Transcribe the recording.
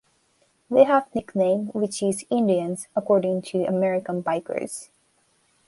They have nickname which is "indians" according to American bikers.